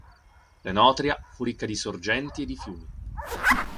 L'Enotria fu ricca di sorgenti e di fiumi.